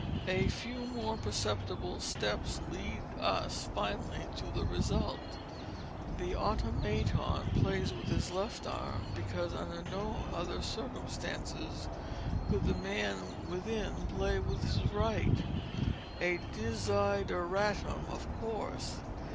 A few more imperceptible steps lead us, finally, to the result. The Automaton plays with his left arm, because under no other circumstances could the man within play with his right—a _desideratum _of course.